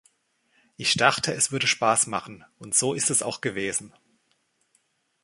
Ich dachte, es würde Spaß machen. Und so ist es auch gewesen.